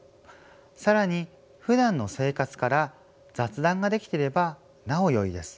更にふだんの生活から雑談ができてればなおよいです。